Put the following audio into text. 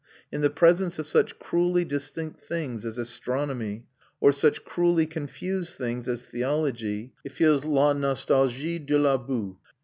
In the presence of such cruelly distinct things as astronomy or such cruelly confused things as theology it feels la nostalgie de la boue.